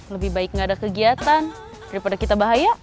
lebih baik nggak ada kegiatan daripada kita bahaya